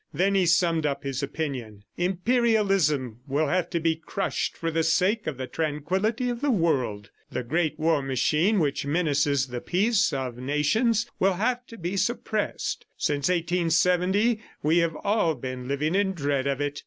Then he summed up his opinion. "Imperialism will have to be crushed for the sake of the tranquillity of the world; the great war machine which menaces the peace of nations will have to be suppressed. Since 1870, we have all been living in dread of it.